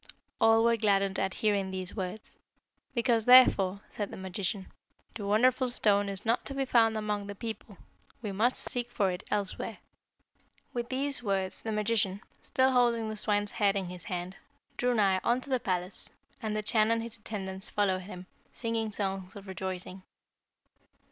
All were gladdened at hearing these words. 'Because, therefore,' said the magician, 'the wonderful stone is not to be found among the people, we must seek for it elsewhere.' "With these words the magician, still holding the swine's head in his hand, drew nigh unto the palace, and the Chan and his attendants followed him, singing songs of rejoicing.